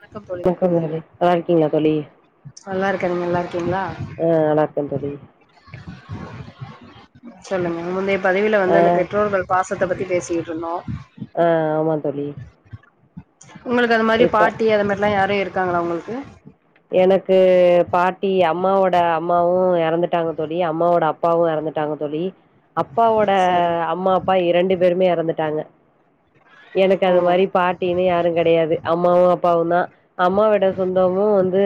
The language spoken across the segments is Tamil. வணக்கம் தோழி மிக்க நன்றி நல்லா இருக்கீங்களா தோழி நல்லா இருக்க நல்லா இருக்கீங்களா ஆ நல்லா இருக்கே தோழி சொல்லுங்க முந்தைய பதவியில ஆ வந்து அந்த பெற்றோர்கள் பாசத்தை பற்றி பேசிக்கிடட்டு இருந்தோம் ஆஹ் ஆமா தோழி உங்களுக்கு அத மாரி இப்ப பாட்டி அத மாரில்லா யாரு இருக்காங்களா உங்களுக்கு எனக்கு பாட்டி அம்மாவோட அம்மாவு எறந்துட்டாங்க தோழி அம்மாவோட அப் ப்பாவு எறந்துட்டாங்க தோழி அப்பாவோட சரி அம்மா அப்பா இரண்டு பேருமே இறந்துட்டாங்க எனக்கு ஓ அது மாரி பாட்டினு யாரு கெடையாது அம்மாவு அப்பாவுதா அம்மாவிட சொந்தமு வந்து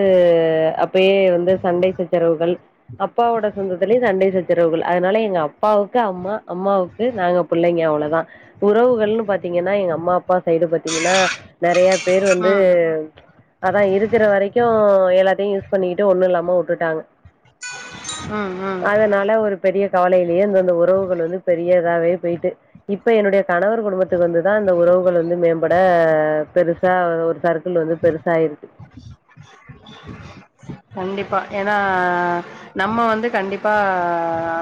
அப்பயே வந்து சண்டை சச்சரவுகள் அப்பாவோட சொந்தத்துலயு சண்டை சச்ச சரவுகள் அதனால எங்க அப்பாவுக்கு அம்மா அம்மாவுக்கு நாங்க பிள்ளைங்க அவ்ளதா உறவுகள்னு பாத் பாத்தீங்கன்னா எங்க அம்மா அப்பா சைடு பாத்தீங்கன்னா நறைய பேர் வந்து ம் அதா இருக்கிற வரைக்கு எல்லாத்தையு யூஸ் பண்ணிக்கிட்டு ஒன்னு இல்லாம உட்டுட்டாங்க ம் ம் அதனால ஒரு பெரிய கவலையிலேயே அந்தந்த உறவுகள் வந்து பெரியதாவே போய்ட்டு இப்ப என்னுடைய கணவர் கிட்ட இருந்துதா அந்த உறவுகள் வந்து மேம்பட பெருசா ஒரு சர்க்கிள் வந்து பெருசாயாயிருக்கு கண்டிப்பா ஏனா நம்ம வந்து கண்டிப்பா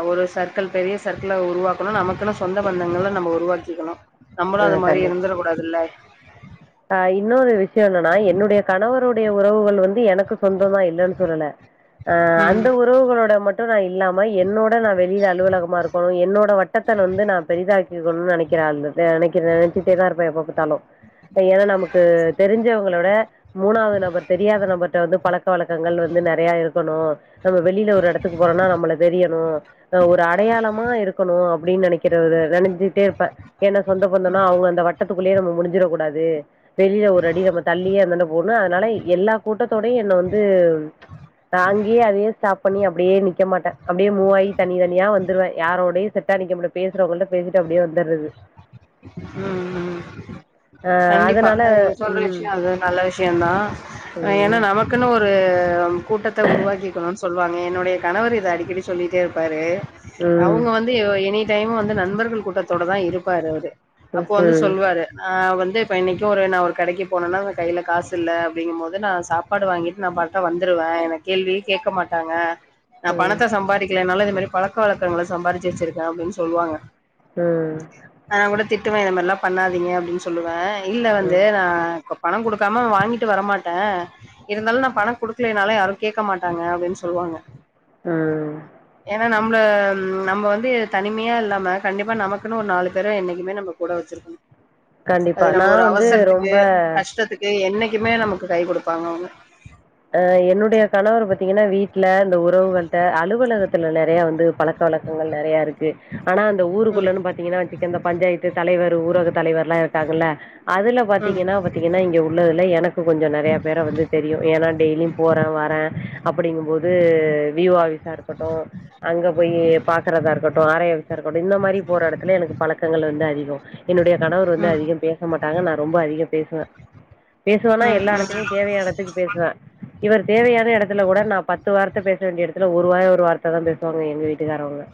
ஒரு சர்க்கிள் பெரிய சர்க்கிள உருவாக்கணு நமக்குன்னு சொந்த பந்தங்கள்ள நம்ம உருவாக்கிக்கணு நம்மளு அது ஆ மாரி கண்டிப்பா இருந்துற கூடாதுல்ல ஆ இன்னொரு விஷய என்னன்னா என்னுடைய கணவருடைய உறவுகள் வந்து எனக்கு சொந்தமா இல்லன்னு சொல்லல அ ம் அந்த உறவுகளோட மட் டு நா இல்லாம என்னோட நா வெளியில அலுவலகமா இருக்கணு என்னோட வட்டத்தன் வந்து நா பெரிதாக் கிக்கனு நினைக்கிறாள் நினைக்கிற நினைச்சிட்டேதா இருப்ப எப்ப பாத்தாலு இப்ப ஏனா நமக்கு தெரிஞ்சவங்களோட மூணாவது நபர் தெரியாத நபர்ட்ட வந்து பழக்க வழக்கங்கள் வந்து நிறைய இருக்கணு நம்ம வெளியில ஒரு இடத்துக்கு போறோனா நம்மள தெரியணு அ ஒரு அடையாளமா இருக்கணு அப்டின்னு நினைக்கிற நினைசிட்டே இருப்பே ஏன்னா சொந்த பந்தனா அவுங்க அந்த வட்டத்துக்குள்ளயே நம்ம முடிஞ்சிடக் கூடாது வெளியில ஒரு அடி நம்ம தள்ளியே அந்தண்ட போணு அதனால எல்லா கூட்டத்தோடையு என்ன வந்து தாங்கி அதையே ஸ்டாப் பண்ணி அப்டியே நிக்க மாட்டே அப்டியே மூவாகி தனி தனியா வந்துருவே யாரோடயு செட் டா நிக்க மாட்டே பேசுறவங்கள்ட்ட பேசிட்டு அப்டியே வந்துறது ம் ம் ஆஹ் கண்டிப்பா அதனால அது நீங்க சொல்ற விஷ ம் யோ அது நல்ல விஷயந்தா ஏனா ம் நமக்குன்னு ஒரு கூட்டத் த உருவாக்கிக்கணு சொல்லுவாங்க என்னுடைய கணவர் இத அடிக்கடி சொல்லிட்டே இருப்பாரு ம் ம் அவுங்க வந் து எனி டைம் வந்து நண்பர்கள் கூட்டத்தோட தா இருப்பாரு அவரு அப்போ வந்து சொல்வாரு ஆ வந்து இப்ப இன்னைக்கு ஒரு நா ஒரு கடைக்கு போனேனா அந்த கையில காசுல்ல அப்டிங்கும் போது நா சாப் பாடு வாங்கிட்டு நா பாட்ட வந்துருவே என்ன கேள்வியே கேட்க மாட்டாங்க நா ம் பணத்த சம்பாரிக்கலானாலு இந்த மாரி பழக்க வழக்கங்கள சம்பாரிச்சு வச்சிருக்கே அப்டின்னு சொல்லுவாங்க ம் நா கூட திட்டுவே இந்த மாரிலா பண்ணாதீங்க அப்டின்னு சொல்லுவே இல்ல வந்து ம் நா பணோ குடுக்காம வாங்கிட்டு வரமாட்டே இருந்தாலு நா பணோ குடுக்லேனாலு யாரு கேட்க மாட்டாங்க அப்டின்னு சொல்லுவாங்க அ ஏனா நம்மள நம்ம வந்து தனிமையா இல்லாம கண்டிப்பா நமக்குன்னு ஒரு நாலு பேர என்னைக்குமே நம்ம கூட வச்சிருக்கணு அது கண்டிப்பா நம்ம ஒரு நான் வந்து அவசரத்துக்கு ரொம்ப கஷ்டத்துக் கு என்னைக்குமே நமக்கு கை குடுப்பாங்க அவுங்க அ என்னுடைய கணவர் பத்தீங்கன்னா வீட்ல இந்த உறவுகள்ட்ட அலுவலகத்துல நறைய வந்து பழக்க க்க வழக்கங்கள் நிறையாருக்கு கு ஆனா அந்த ம் ஊருக்குள்ளன்னு பாத்தீங்கன்னா வச்சுக்க பஞ்சாயத்து தலைவர் ஊரக தலைவர்ல்லா இரு க்காதுல அதுல ம் பாத்தீங்கன்னா பாத்தீங்கன்னா இங்க உள்ளதுல எனக்கு கொஞ்சோ நிறைய பேர வந்து தெரியும் ஏனா டெய்லியு போறேன் வாரன் அப்படிங்கும்போது விஓ ஆஃபிஸா இருக்கட்டு அங்க போய் பாக்கறதா இருக்கட்டு ஆரைய தா இருக்கட்டு இந்த மாரி போற இடத்துல எனக்கு பழக்கங்கள் வந்து அதிகம் என்னுடைய கணவர் வந்து ம் அதிகம் பேச மாட்டாங்க நா ரொம்ப அதிகம் பேசுவே பேசுவன்னா ம் எல்லா ம் இடத்துலயு தேவையான இடத்துக்கு பேசுவே இவர் தேவையான இடத்துல கூட நா பத்து வார்த்த பேச வேண்டிய இடத்துல ஒரு வாய் ஒரு வார்த்த தா பேசுவாங்க எங்க வீட்டுக்காரவுங்க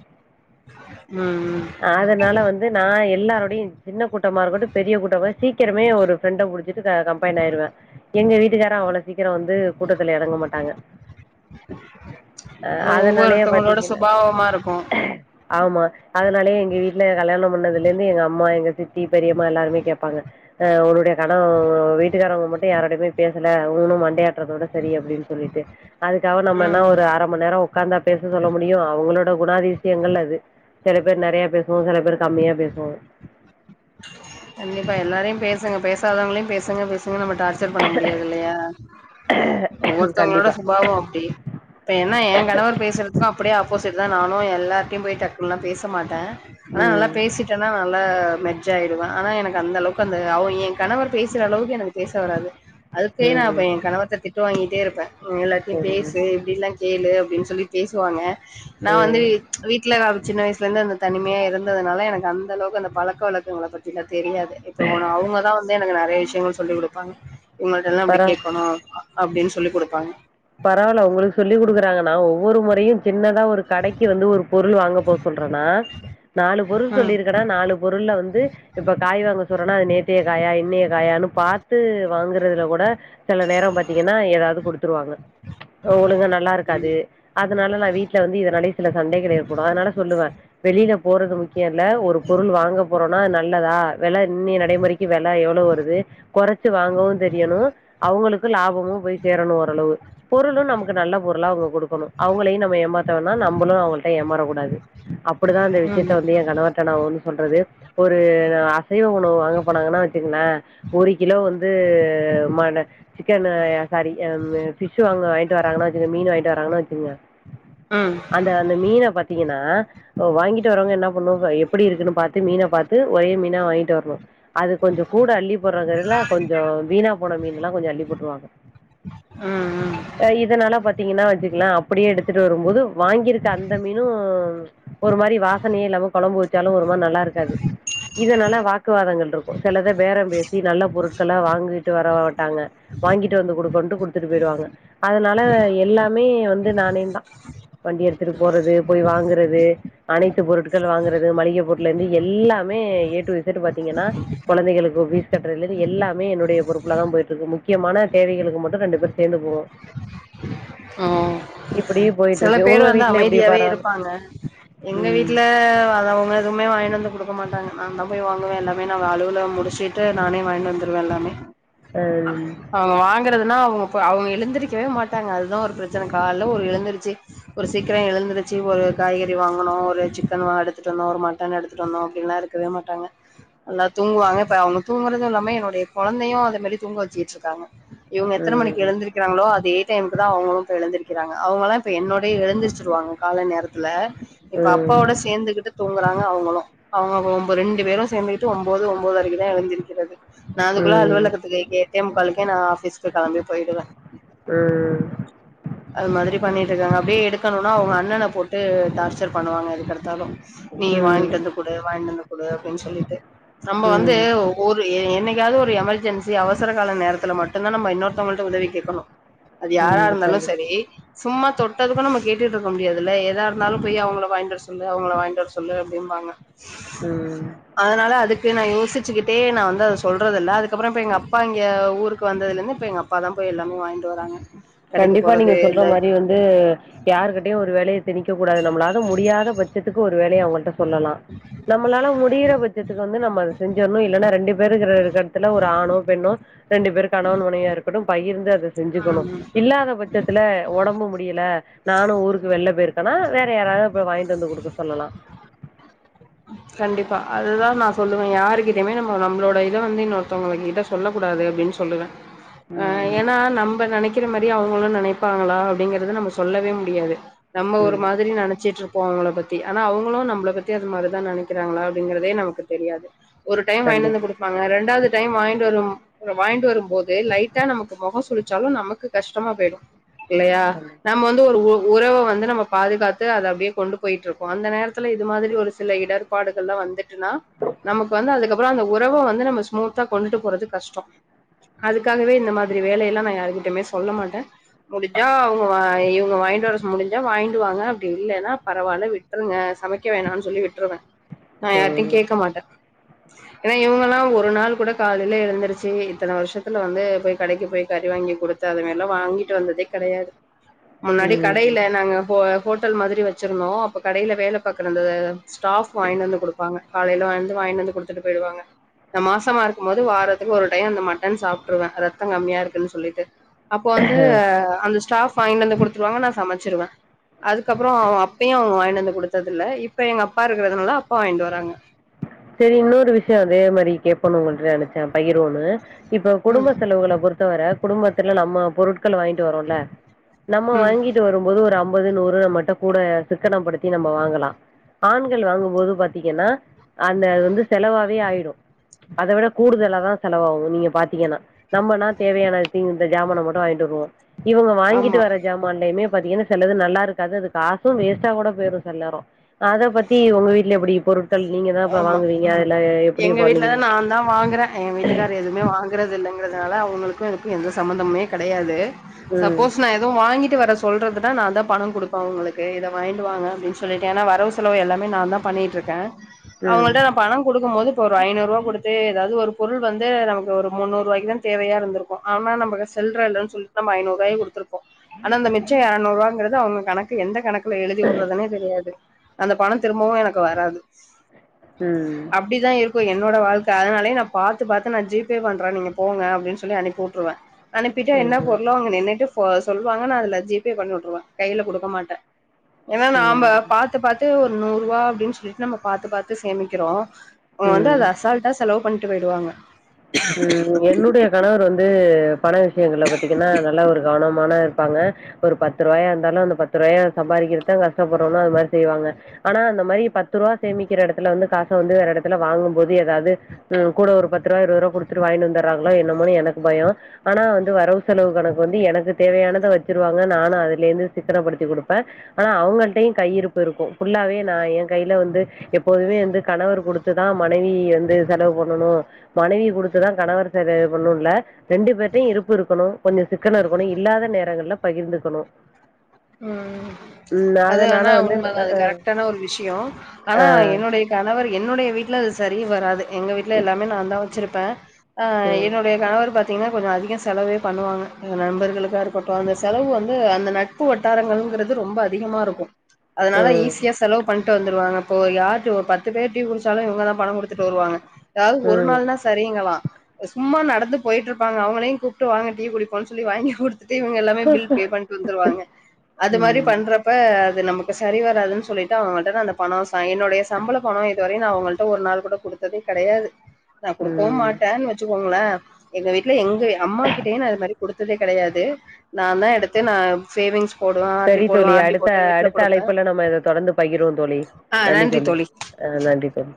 ம் ம் அதனால வந் து நா எல்லாரோடையும் சின்ன கூட்டமா இருக்கட்டும் பெரிய கூட்டமா இருக்கட்டும் சீக்கிரமே ஒரு ஃப்ரெண்ட புடிச்சிட்டு கம்பைன் ஆயிருவே எங்க வீட்டுக்காரா அவ்வளோ சீக்கிரம் வந்து கூட்டத்துல இறங்க மாட்டாங்க அ அது அதனாலயே ஒவ்வொருத்தவங்களோட பாத்தீங்கன்னா சுபாவமா இருக்கு ஆமா அதனாலயே எங்க வீடல கல்யாணம் பண்ணதுல இருந்து எங்க அம்மா எங்க சித்தி பெரியம்மா எல்லாருமே கேப்பாங்க அ உங்களுடைய கனவு வீட்டுக்காரவுங்க மட்டும் யாருடையுமே பேசல அவுங்கங்களு மண்டையா ஆட் டுறதோட சரி அப்படின் சொல்லிட்டு அதுக்காக நம்ம ம் என்ன ம் ஒரு ஆரம் ரொம்ப நேரம் உக்காந்தா பேச சொல்ல முடியு அவுங்களோட குணாதிசயங்கள் அது சில பேர் நிறைய பேசுவோ சில பேர் கம்மியா பேசுவோ கண்டிப்பா எல்லாரையு பேசுங்க பேசாதவங்களையு பேசுங்க பேசுங்க நம்ம டார்ச் ச்சர் பண்ண முடியாது இல்லையா ஒவ்வொருத்தவுங்களோட கண்டிப்பா சுபாவம் அப்படி இப்ப ஏன்ன என் கணவர் பேசுறதுக்கு அப்படியே ஆப்போசிட் தா நானும் எல்லார்ட்டையு போய் டக்குன்ல்லா பேச மாட்டே ஆனா நல்லா ம் பேசிட்டன்னா நல்லா மெச் சா ஆயிருவே ஆனா எனக்கு அந்த அளவுக்கு அந்த அவ என் கணவர் பேசுற அளவுக்கு எனக்கு பேச வராது அதுக்கே நா அப்ப ம் என் கணவர்ட்ட திட்டு வாங்கிட்டே இருப்பே எல்லார்ட்டையு ம் பேசு இப்டில்லா கேளு அப்படின் சொல்லி பேசுவாங்க நா வந்து ம் வீட்டுல சின்ன வயசுல இருந்து அந்த தனிமையா இருந்ததுனால எனக்கு அந்த அளவுக்கு அந்த பழக்க வழக் கங்கள பத்திலா தெரியாது இப்ப கூட அவுங்கதா வந்து எனக்கு நிறைய விஷயங்கள் சொல்லி் குடுப்பாங்க இவுங்கள்ட்டல்லா இப்படி பரவா கேக்கணு அப்டின் சொல்லி குடுப்பாங்க பரவாயில்ல உங்களுக்கு சொல்லி குடுக்குறாங்க நா ஒவ்வொரு முறையு சின்னதா ஒரு கடைக்கு வந்து ஒரு பொருள் வாங்க போக சொல்றன்னா நாலு பொருள் ம் சொல்லியிருக்கனா நாலு பொருள்ள வந்து இப்ப காய் வாங்க சொல்றன்னா அது நேத்தைய காயா இன்னைய காயான்னு பாத்து வாங்குறதுல கூட சில நேரம் பாத்தீங்கன்னா ஏதாவது குடுத்துருவாங்க ஒழுங்கா நல்லா இருக்காது அதனால நா வீட்டுல வந்து இதனாலயே சில சண்டைகள் ஏற்படும் அதனால சொல்லுவே வெளியில போறது முக்கி யம் இல்ல ஒரு பொருள் வாங்க போறோன்னா நல்லதா வில இன்னய நடைமுறைக்கு வில எவ்வளோ வருது குறச்சு வாங்கவு தெரியணு அவுங்களுக்கு லாபமும் போய் சேரணும் ஓரளவு ஓரளவு நமக்கு நல்ல பொருளா அவுங்க குடுக்கனு அவுங்களையு நம்ம ஏமாத்த வேண்டா நம்மளு அவுங்கள்ட்ட ஏமாற கூடாது அப்படிதா இந்த விஷயத்த ம் வந்து என் கணவர்ட்ட நா வந்து சொல்றது ஒரு அசைவ உணவு வாங்க போனாங்கன்னா வச்சுங்களே ஒரு கிலோ வந்து மழ சிக்கன் சாரி ஆ ஃபிஷ்ஷு அங்க வாங்கிட்டு வராாங்கன்னா வச்சுங்க மீன் வாங்கிட்டு வர்றாங்கன்னா வச்சுக்குங்க உம் அந்த அந்த மீன பாத்தீங்கன்னா வாங்கிட்டு வர்றவுங்க என்ன பண்னணு எப்படி இருக்குன்னு பாத்து மீன பாத் து ஒரே மீனா வாங்கிட்டு வரணு அது கொஞ்சோ கூட அள்ளி போடுற கடையில கொஞ்சோ வீணா போன மீன் ல்லா கொஞ்சம் அள்ளி போட்டுருவாங்க உம் உம் இதனால பாத்தீங்கன்னா வச்சுக்கல அப்படியே எடுத்துட்டு வரும்போது வாங்கியிருக்க அந்த மீனும் ஒரு மாரி வாசனையே இல்லாம குழம்பு வச்சாலு ஒரு மாரி நல்லா இருக்காது இதனால வாக்குவாதங்கள் இருக்கு சிலத பேர பேசி நல்ல பொருட்கள வாங்கிட்டு வர மாட்டாங்க வாங்கிட்டு வந்து குடுக்கன்ட்டு குடுத்துட்டு போய்டுவாங்க அதனால எல்லாமே வந்து நானே தா வண்டி எடுத்துட்டு போறது போய் வாங்குறது அனைத்து பொருட்கள் வாங்குறது மளிகை பொருள்லருந்து எல்லாமே ஏட்டு தேட்டர் பாத்தீங்கன்னா கொழந்தைகளுக்கு பீஸ் கட்றதுலருந்து எல்லாமே என்னுடைய பொறுப்புலதா போய்ட்டுருக்கு முக்கியமான தேவைகளுக்கு மட்டு ரெண்டு பேர் சேந்து போவோ ஓ போயிட்டு சில இருக்கு பேரு உங்க வந்து வீட்ல எப்டி அமைதியாவே பரவால்ல இருப்பாங்க எங்க ம் வீட்ல வதவ்ங்கள் எதுவுமே வாங்கிட்டு வந்து குடுக்க மாட்டாங்க நா தா போய் வாங்குவே எல்லாமே நான் அலுவல முடிச்சுட்டு நானே வாங்கிட் வந்துருவ எல்லாமே அ அவங்க வாங்கறதுனா அவங்க அவங்க எழுந்திருக்கவே மாட்டாங்க அதுதா ஒரு பிரச்சனை கால்ல ஒரு எழுந்ருச்சு ஒரு சீக்கிர எழுந்துருச்சு ஒரு காய்கறி வாங்கணு ஒரு சிக்கன் எடுத்துட்டு வந்தோ ஒரு மட்டன் எடுத்துட்டு வந்தோ அப்டின்ல்லா இருக் இருக்கவே மாட்டாங்க நல்லா தூங்குவாங்க இப்ப அவங்க தூங்குறது இல்லாம என்னுடைய கொழந்தையு அந்த மாரி தூங்க வச்சுகிட்டுருக்காங்க இவங்க ம் எத்தன மணிக்கு ம் எழுந்திருக்கிறாங்களோ அதே டைம் இப்பதா அவங்களு இப்ப எழுந்திருக்கிறாங்க அவங்கல்லா இப்ப என்னோடயே எழுந்திருச்சிருவாங்க கால நேரத்துல இப்ப அப்பாவோட சேந்துகிட்டு தூங்குறாங்க அவங்களு அவங்க ஒ ரெண்டு பேரு சேந்துக்கிட்டு ஒம்பது ஒம்பதரைக்குதா எழுந்திருக்கிறது நா அதுக்குள்ள ம் அலுவலகத்துக் எட்டேமுக்கால்க்கே நா ஆபீஸ்க்கு கெளம்பி போய்டுவ ம் [inaudible] அது மாரி பண்ணிட்டு இருக்காங்க அப்டியே எடுக்கணுனா அவங்க அண்ணனை போட்டு டார்ச்சர் பண்ணுவாங்க எதுக்கடுத்தாலு நீ வாங்கிட்டு வந்து குடு வாங்கிட்டு வந்து குடு அப்டின் சொல்லிட்டு நம்ம வந்து ம் ஒரு என்னைக்கையாவது ஒரு எமர்ஜென்சி அவசர கால நேரத்துல மட்டும்தா நம்ம இன்னொருத்தவங்கள்ட்ட உதவி கேக்கணு அது ம் யாரா ம் இருந்தாலு சரி கண்டிப்பா சும்மா தொட்டதுக்கு நம்ம கேட்டுட்டு இருக்க முடியாதுல்ல எதா இருந்தாலு போய் அவங்கள வாங்கிட்டு வர சொல்லு அவங்கள வாங்கிட்டு வர சொல்லு அப்டிம்பாங்க ம் அதனால அதுக்கு நா யோசிச்சுக்கிட்டே நா வந்து அத சொல்றதில்ல அதுக்கப்பற இப்ப எங்க அப்பா இங்க ஊருக்கு வந்ததுல இருந்து இப்ப எங்க அப் அப்பா தா போய் எல்லாமே வாங்கிட்டு வராங்க கடைக்கு கண்டிப்பா நீங்க போறது சொல்ற இந்த மாரி வந்து து யாருகிட்டயு ஒரு வேலய திணிக்க கூடாது நம்மளாக முடியாத பட்சத்துக்கு ஒரு வேலய அவங்கள்ட்ட சொல்லலா நம் நம்மளால முடிகிற பட்சத்துக்கு வந்து நம்ம அத செஞ்சுர்ணு இல்லனா ரெண்டு பேரு இருக்கிற இடத்துல ஒரு ஆணோ பெண்ணோ ரெண்டு பேரு கணவன் மனைவியா இருக்கட்டு பகிர்ந்து அது செஞ்சுக்கணு ம் இல்லாத பட்சத்துல உடம்பு முடில நானு ஊருக்கு வெளில போயிருக்கனா வேற யாராவது போய் வாங்கிட்டு வந்து குடுக்க சொல்லலா கண்டிப்பா அதுதா நா சொல்லுவ யார்கிட்டையுமே நம்ம நம்மளோட இத வந்து இன்னொருத்தவங்க கிட்ட சொல்லக்கூடாது அப்டின் சொல்லுவ அ ம். ஏன்னா நம்ம நெனைக்கிற மாரி அவங்களு நெனைப்பாங்களா அப்டிங்கறத நம்ம சொல்லவே முடியாது நம்ம ஒரு ம். மாதிரி நெனைச்சிட்டு இருப் போ அவங்கள பத்தி ஆனா அவங்களு நம்மள பத்தி அது மாரிதா நெனைக்கிறாங்களா அப்டிங்கிறதே நமக்கு தெரியாது ஒரு டைம் வாங்கிட்டு வந்து கண்டிப்பா. குடுப்பாங்க ரெண்டாவது டைம் வாங்கிட்டு வரு அத வாங்கிட்டு வரு போது லைட்டா நமக்கு முகம் சுளிச்சாலு நமக்கு கஷ்டமா போய்டு இல்லயா கண்டிப்பா. நம்ம வந்து ஒரு உ உறவ வந்து நம்ம பாதுகாத்து அத அப்டியே கொண்டு போய்ட்டுருப்போ அந்த நேரத்தில இது மாதிரி ஒரு சில இடர் பாடுகள்ல்லா வந்துட்டுனா நமக்கு வந்து அதுக்கப்பற அந்த உறவ வந்து நம்ம ஸ்மூத்தா கொண்டுட்டு போறது கஷ்டோ அதுக்காகவே இந்த மாதிரி வேலையெல்லா நா யாருகிட்டயுமே சொல்ல மாட்டே முடிஞ்சா அவுங் க வாய் இவுங்க வாங்கிட்டு வர சொ முடிஞ்சா வாங்கிட்டுவாங்க அப்டி இல்லனா பரவால்ல விட்டுருங்க சமைக்க வேணானு சொல்லி விட் ருவே நா யார்ட்டையு ம். கேட்க மாட்டே ஏனா இவுங்கல்லா ஒரு நாள் கூட காலேல எழுந்துருச்சு இத்தன வருஷத்துல வந்து போய் கடைக்கு போய் கறி வாங்கி குடுத் ததுமில்ல வாங்கிட்டு வந்ததே கெடையாது முன்னாடி ம். கடேல நாங்க ஹோ ஹோட்டல் மாதிரி வச்சிருந்தோ அப்ப கடேல வேல பாக்குற அந்த ஸ்டாஃப் வாயினு வந்து குடுப்பாங்க காலேல வந்து வாய்யினு வந்து குடுத்துட்டு போயிடுவாங்க நா மாசமா இருக்குபோது வாரத்துக்கு ஒரு டைம் இந்த மட்டன் சாப்டுருவே ரத்த கம்மியா இருக்குன் சொல்லிட்டு அப்போ வந்து அந்த ஸ்டாஃப் வாங்கினு வந்து குடுத்துருவாங்க நா சமச்சிருவே அதுக்கப்பறோ அவுங்க அப்பையு அவுங்க வாய்ன்ட்டு வந்து குடுத்ததில்ல இப்ப எங்க அப்பா இருக்கிறதுனால அப்பா வாயின்ட்டு வராங்க செரி இன்னொரு விஷ்யோ அதே மாரி கேட்போனு உங்கள்ட நெனச்சே பகிர்வோனு இப்ப ம் குடும்ப செலவுகள பொறு த்தவர குடும்பத்தில நம்ம பொருட்கள வாங்கிட்டு வரோல நம்ம ம் வாங்கி ட்டு வருபோது ஒரு அம்பது நூறு நம்மட்ட கூட சிக்கன படுத்தி நம்ம வாங்கலா ஆண்கள் வாங்குபோது பாத்தீங்கனா அந்த அது வந்து செலவாவே ஆயிடு அத விட கூடுதலாதா செலவாகு நீங்க பாத்தீங்கனா நம்மனா தேவையான திங் இந்த ஜாமான மட்டு வாங்கிட்டு வருவோ இவுங்க வாங்கிட்டு ஆமா வர ஜாமான்லயுமே பாத்தீங்கனா செலது நல்லா இருக்காது அது காசும் வேஸ்ட்டா கூட போயிடு செல நேரோ அத பத்தி ஒங்க வீட்ல எப்டி பொருட்கள் நீங்க தா இப்ப ஆமா வாங்குவீங்க அதுல எப்டி எங்க வீட்லதா பண்ணுவீங்க நா தா வாங்குறே எங்க வீட்டுக்கார் எது இவே வாங்குறது இல்லங்கிறதுனால அவுங்களுக்கு இதுக்கு எந்த சம்மந்தமே கெடையாது ம் சப்போஸ் நா எதும் வாங்கிட்டு வர சொல்றது தா நா தா பணம் குடுப்பே அவுங்களுக்கு இத வாங்கிட்டு வாங்க அப்டினு சொல்லிட்டு ஏனா வரவு செலவு எல்லாமே நா தா பண்ணிட்டுருக்கே ம் அவுங்கள்ட பண குடுக்குபோது இப்போ ஒரு ஐநூறுவா குடுத்து ஏதாவது ஒரு பொருள் வந்து நமக்கு ஒரு முன்நூறுவாய்க்கு தா தேவையா இருந்திரு க்கு ஆனா நம்மக சில்ற இல்லனு சொல்லிட்டு நம்ம ஐநூறுரூவாயு குடுத்திரு போ ஆனா அந்த மிச்ச எரநூறு ரூவாங்கிறது அவுங்க கணக்கு எந்த கணக்குல எழுதி வுடுறதுனு தெரியாது அந்த பண திரும்பவு எனக்கு வராது ம் அப்டிதா இருக்கு என்னோட வாழ்க்க அதனாலயே நா பாத்து பாத்து நா ஜிபே பண்றே நீங்க போங்க அப்டினு சொல்லி அனுப்புட்டுருவே அனுப்பிட்டு என்ன ம் பொருளோ அங்க நின்னிட்டு இப்போ சொல்லுவாங்க நா அதுல ஜிபே பண்ணி வுட்டுருவே கைல குடுக்க மாட்டே ஏன்னா ம் நாம பாத் து பாத்து ஒரு நூறு ரூவா அப்டினு சொல்லிட்டு நம்ம பாத்து பாத்து சேமிக்கிறோ அவுங்க வந்து ம் அத அசால்ட் ட்டா செலவு பண்ணிட்டு போய்டுவாங்க ம் என்னுடைய கணவர் வந்து பண விஷயங்களல பாத்தீங்கனா நல்லா ஒரு கவனமான இருப்பாங்க ஒரு பத்து ரூவாயா இருந்தாலு அந்த பத்து ரூவாயா சம்பாதிக்கிறதுதா கஷ்டப்படுறோன்னு அது மாரி செய்வாங்க ஆனா அந்த மாரி பத்து ரூவா சேமிக்கிற எடத்துல வந்து காச வந்து வேற எடத்துல வாங்கு போது ஏதாது ம் கூட ஒரு பத்து ரூவா இருவது ரூவா குடுத்துட்டு வாயிட்டு வந்துடுறாங்களோ என்னமோன்னு எனக்கு பயோ ஆனா வந்து வரவு செலவு கணக்கு வந்து எனக்கு தேவயானத வச்சிருவாங்க நானு அதுல இருந்து சிக்கனப்படுத்தி குடுப்பே ஆனா அவுங்கள்ட்டையு கையிருப்பு இருக்கு ஃபுல்லாவே நா எ கைல வந்து எப்போதுமே வந்து கணவர் குடுத்துதா மனைவி வந்து செலவு பண்ணணு மனைவி குடுத் டுத்துதா கணவர் செலவு பண்ணனுல்ல ரெண்டு பேர்ட்டையு இருப்பு இருக்கணு கொஞ்சோ சிக்கன இருக்கணு இல்லாத நேரங்கள்ல பகிர்ந்துக்கணு ம் ம் அது அதனால வேணா வந்து உண்மதா அ அது அ கரெக்டான ஒரு விஷயோ ஆனா அ என்னுடைய கணவர் என்னுடைய வீட்ல அது சரி வராது எங்க வீட்ல எல்லாமே நாந்தா வச்சிருப்பே ஆ ம் என்னுடைய கணவர் பாத்தீங்கன்னா கொஞ்சொ அதிகொ செலவே பண்ணுவாங்க ங்க நண்பர்களுக்காக இருக்கட்டு அந்த செலவு வந்து அந்த நட் ட்பு வட்டாரங்கங்கறது ரொம்ப அதிகமா இருக்கு அதனால ம் ஈஸியா செலவு பண்ட்டு வந்துருவாங்க இப்போ யார்தோ பத்து பேர் டீ குடிச்சாலு இவங்கதா பணம் குடுத்துட்டு வருவாங்க எதாவ்து ஒரு ம் நாள்னா சரிங்களா சும்மா நடந்து போயிட்டு இருப்பாங்க அவங்களையு கூப்பிட்டு வாங்க டீ குடிப்போனு சொல்லி வாங்கி குடுத் துட்டு இவங்க எல்லாமே பில் பே பண்ணிட்டு வந்துருவாங்க அது மாரி ம் பண்றப் ப அது நமக்கு சரி வராதுன்னு சொல்லிட்டு அவங்கள்ட நா அந்த பணொ ச என்னுடைய சம்பள பணொ இதுவரையு நா அவங்கள்ட்ட ஒரு நாள் கூட குடுத்ததே கெடையாது நா குடுக்கவு ம் மாட்டேன்னு வச் சுகோங்களே எங்க வீட்ல எங்க அம்மா கிட்டயே நா இது மாரி குடுத்ததே கெடையாது நாந்தா எடுத்து நா சேவிங்ஸ் போடுவேன், ஆர் டி சரி தோழி போடுவேன், ஆர் டி அடுத்த போட்டு வீட்ல அடுத்த குடுப்பேன். அழைப்புல நம்ம இத தொடர்ந்து பகிருவோ தோழி நன்றி தோழி ஆ நன்றி தோழி